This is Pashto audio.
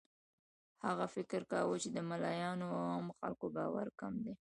هغه فکر کاوه چې د ملایانو او عامو خلکو باور کم دی.